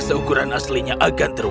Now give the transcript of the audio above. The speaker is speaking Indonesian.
seukuran aslinya akan teruai